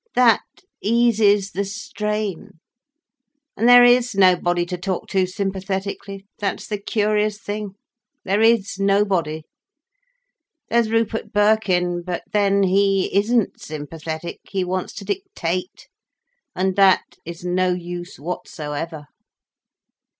That eases the strain. And there is nobody to talk to sympathetically. That's the curious thing. There is nobody. There's Rupert Birkin. But then he isn't sympathetic, he wants to dictate. And that is no use whatsoever."